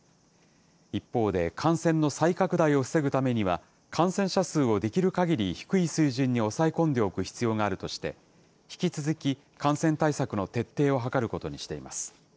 一方で、感染の再拡大を防ぐためには感染者数をできるかぎり低い水準に抑え込んでおく必要があるとして、引き続き感染対策の徹底を図ることにしています。